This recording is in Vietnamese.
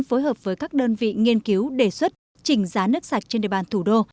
phối hợp với các đơn vị nghiên cứu đề xuất chỉnh giá nước sạch trên địa bàn thủ đô